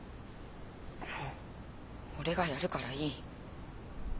俺がやるからいい。